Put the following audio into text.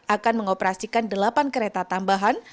akan mengoperasikan delapan kereta tambahan